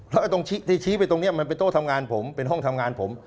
แล้วตรงที่ชี้ไปตรงนี้มันเป็นโต๊ะทำงานผมเป็นห้องทำงานผม